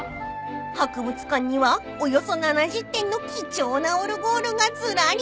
［博物館にはおよそ７０点の貴重なオルゴールがずらり］